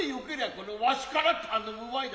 このわしから頼むわいな。